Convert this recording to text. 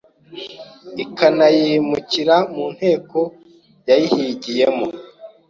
ikanayimurikira mu nteko yayihigiyemo.